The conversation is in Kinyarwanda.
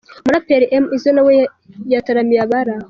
Umuraperi M Izzo nawe yataramiye abari aho.